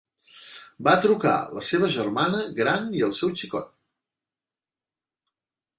Va trucar la seva germana gran i el seu xicot.